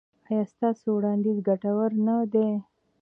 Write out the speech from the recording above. ایا ستاسو وړاندیز ګټور نه دی؟